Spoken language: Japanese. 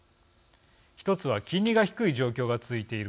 １つは金利が低い状況が続いていることです。